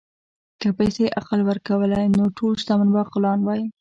که پیسې عقل ورکولی، نو ټول شتمن به عاقلان وای.